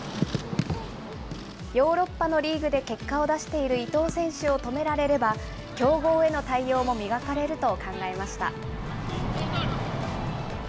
ヨーロッパのリーグで結果を出している伊東選手を止められれば、強豪への対応も磨かれると考えました。